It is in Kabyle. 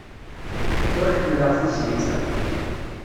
Ur ḥemmleɣ tizlit-a.